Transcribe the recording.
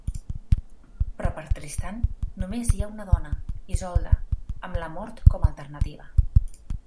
Però per Tristan només hi ha una dona, Isolde, amb la Mort com a alternativa.